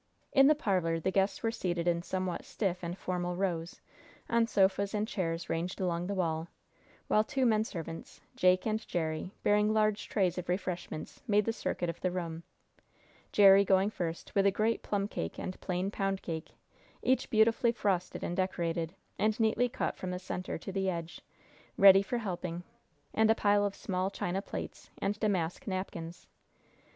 In the parlor the guests were seated in somewhat stiff and formal rows, on sofas and chairs ranged along the wall, while two menservants, Jake and Jerry, bearing large trays of refreshments, made the circuit of the room Jerry going first, with a great plum cake and plain pound cake, each beautifully frosted and decorated, and neatly cut from the center to the edge, ready for helping, and a pile of small, china plates and damask napkins.